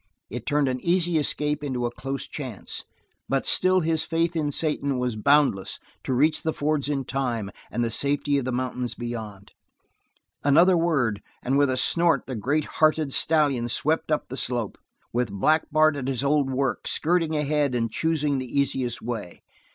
It turned an easy escape into a close chance, but still his faith in Satan was boundless to reach the fords in time, and the safety of the mountains beyond. Another word, and with a snort the great hearted stallion swept up the slope, with Black Bart at his old work, skirting ahead and choosing the easiest way.